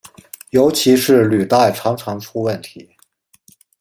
尤其是履带常常出问题。